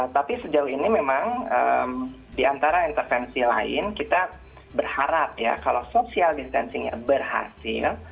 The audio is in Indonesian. tapi sejauh ini memang di antara intervensi lain kita berharap ya kalau social distancingnya berhasil